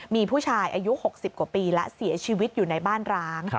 มีผู้ชายอายุ๖๐กว่าปีแล้วเสียชีวิตอยู่ในบ้านร้าง